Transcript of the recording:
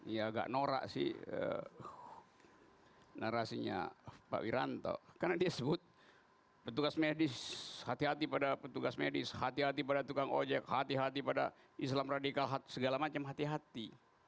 ya agak norak sih narasinya pak wiranto karena dia sebut petugas medis hati hati pada petugas medis hati hati pada tukang ojek hati hati pada islam radikal segala macam hati hati